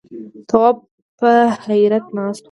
تواب په حيرت ناست و.